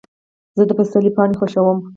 زه د پسرلي پاڼې خوښوم.